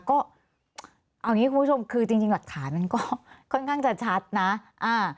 ก็เอาอย่างงี้คุณผู้ชมคือจริงจริงหลักฐานมันก็ค่อนข้างจะชัดนะอ่า